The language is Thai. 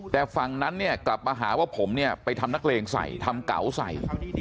แต่ฝั่งนั้นเนี่ยกลับมาหาว่าผมเนี่ยไปทำนักเลงใส่ทำเก๋าใส่